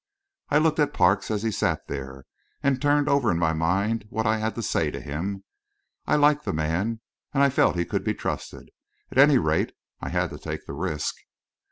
I looked at Parks as he sat there, and turned over in my mind what I had to say to him. I liked the man, and I felt he could be trusted. At any rate, I had to take the risk.